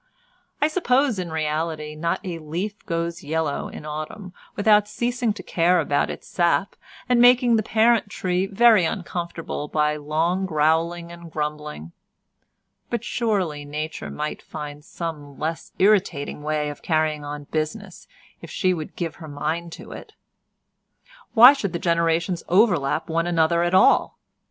I suppose in reality not a leaf goes yellow in autumn without ceasing to care about its sap and making the parent tree very uncomfortable by long growling and grumbling—but surely nature might find some less irritating way of carrying on business if she would give her mind to it. Why should the generations overlap one another at all?